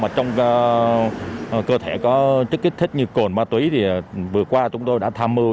trong cơ thể có chất kích thích như cồn ma túy thì vừa qua chúng tôi đã tham mưu